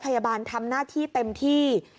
พยาบาลทำหน้าที่เต็มที่